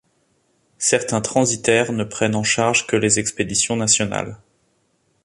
Certains transitaires ne prennent en charge que les expéditions nationales.